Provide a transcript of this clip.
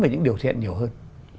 về những điều thiện nhiều hơn